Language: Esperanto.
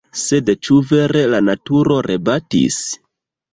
Sed ĉu vere la naturo rebatis?